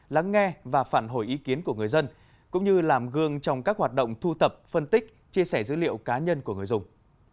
lắng nghe và phản hồi ý kiến của người dân cũng như làm gương trong các hoạt động thu tập phân tích chia sẻ dữ liệu cá nhân của người dùng